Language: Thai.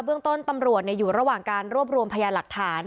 เรื่องต้นตำรวจอยู่ระหว่างการรวบรวมพยานหลักฐาน